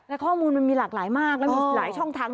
และข้อมูลมันมีหลากหลายมากแล้วมีหลายช่องทาง